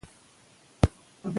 نوم بدول یوه شیبه غواړي.